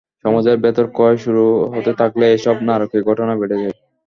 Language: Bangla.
সমাজের ভেতর ক্ষয় শুরু হতে থাকলে এসব নারকীয় ঘটনা বেড়ে যায়।